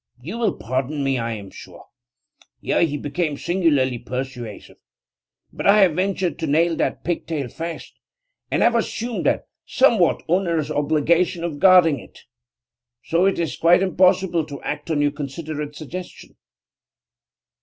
You will pardon me, I am sure' here he became singularly persuasive 'but I have ventured to nail that pigtail fast, and have assumed that somewhat onerous obligation of guarding it. So it is quite impossible to act on your considerate suggestion.